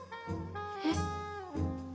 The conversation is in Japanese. えっ？